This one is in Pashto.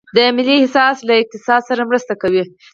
د ملي احساس له اقتصاد سره مرسته کوي؟